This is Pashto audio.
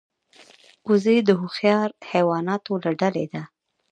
وزې د هوښیار حیواناتو له ډلې ده